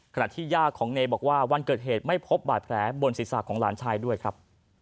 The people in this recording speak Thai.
ขณะที่ยากของเนวัดดาวบอกว่าวันเกิดเหตุไม่พบบาดแผลบนศิษย์ศาสตร์ของหลานชายด้วยครับ